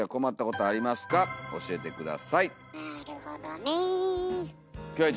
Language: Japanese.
なるほどね。